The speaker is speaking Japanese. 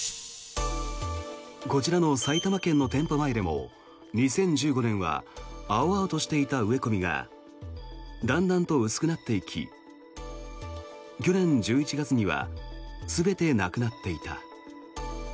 こちらの埼玉県の店舗前でも２０１５年は青々としていた植え込みがだんだんと薄くなっていき去年１１月には全てなくなっていた。